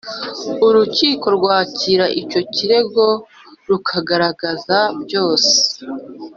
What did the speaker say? Urukiko rwakira icyo kirego rukagaragaza byose